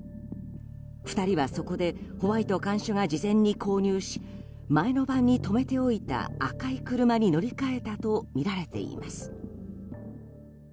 ２人はそこでホワイト看守が事前に購入し前の晩に止めておいた赤い車に乗り換えたとみられています。